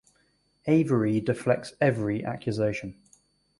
Avery deflects every accusation.